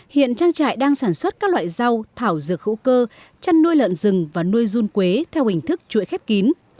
hiện trang trại đang sản xuất các loại rau thảo dược hữu cơ chăn nuôi lợn rừng và nuôi run quế theo hình thức chuỗi khép kín